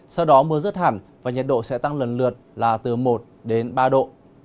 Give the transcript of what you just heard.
sau đó mưa rứt hẳn và nhật độ sẽ tăng lần lượt là từ một ba độ